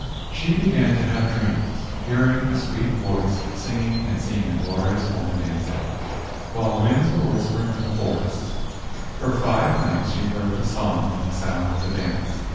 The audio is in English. She began to have dreams, hearing a sweet voice singing and seeing a glorious woman dancing, while winds were whispering in the forests. For five nights she heard the song and the sound of the dance.